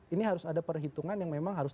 ini harus ada perhitungan yang memang harus